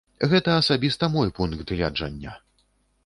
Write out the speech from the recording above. Гэта асабіста мой пункт гледжання.